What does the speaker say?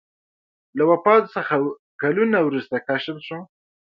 له وفات څخه کلونه وروسته کشف شو.